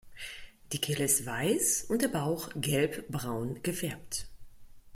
Die Kehle ist weiß und der Bauch gelbbraun gefärbt.